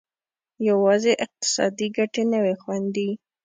یوازې اقتصادي ګټې نه وې خوندي.